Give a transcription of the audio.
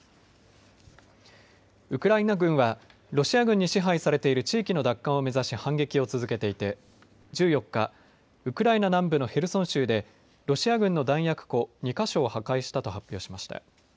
ウクライナ軍はロシア軍に支配されている地域の奪還を目指し反撃を続けていて１４日、ウクライナ南部のヘルソン州でロシア軍の弾薬庫２か所を破壊したと発表しました。